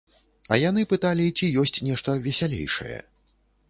А яны пыталі, ці ёсць нешта весялейшае.